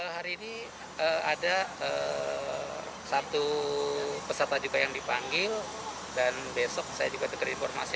hari ini ada satu peserta juga yang dipanggil dan besok saya juga dengar informasi